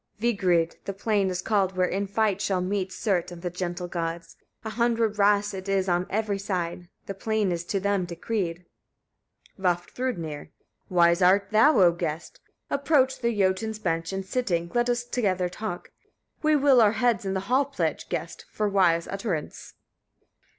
_ 18. Vigrid the plain is called where in fight shall meet Surt and the gentle Gods; a hundred rasts it is on every side. That plain is to them decreed. Vafthrûdnir. 19. Wise art thou, O guest! Approach the Jötuns bench, and sitting let us together talk; we will our heads in the hall pledge, guest! for wise utterance.